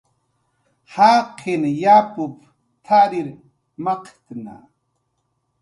"Jaqin yapup"" t""arir maq""tna"